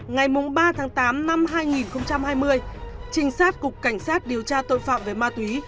ngày ba tám hai nghìn hai mươi trinh sát cục cảnh sát điều tra tội phạm về ma túy